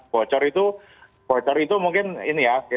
bocor itu mungkin ini ya